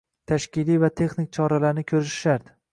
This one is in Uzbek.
tashkiliy va texnik choralarni ko‘rishi shart.